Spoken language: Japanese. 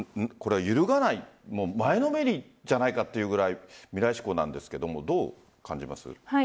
揺るがない前のめりじゃないかというくらい未来志向なんですがどう感じますか？